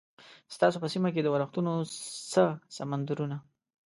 ستاسو په سیمه کې د ورښتونو څه سمندرونه؟